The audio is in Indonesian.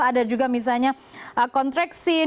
ada juga misalnya kontrexin